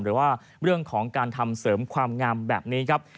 หรือว่าเรื่องของการทำเสริมความงามแบบนี้ครับ